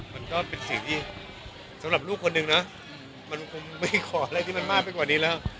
มันก็เป็นสิ่งที่สำหรับลูกคนนึงนะมันคงไม่ขออะไรที่มันมากไปกว่านี้แล้ว